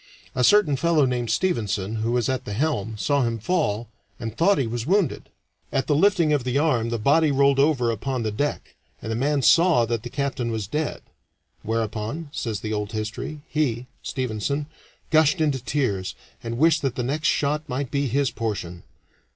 A certain fellow named Stevenson, who was at the helm, saw him fall, and thought he was wounded. At the lifting of the arm the body rolled over upon the deck, and the man saw that the captain was dead. "Whereupon," says the old history, "he" [Stevenson] "gushed into tears, and wished that the next shot might be his portion."